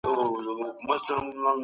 ملکیت د انسان د ژوند برخه وګرځوئ.